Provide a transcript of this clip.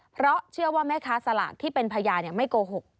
เพราะเชื่อว่าแม่ค้าสลากที่เป็นพญาไม่โกหก